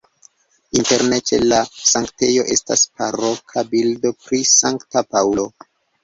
Interne ĉe la sanktejo estas baroka bildo pri Sankta Paŭlo.